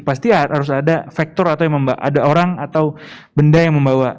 pasti harus ada faktor atau ada orang atau benda yang membawa